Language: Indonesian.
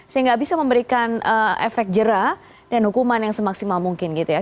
sehingga bisa memberikan efek jerah dan hukuman yang semaksimal mungkin gitu ya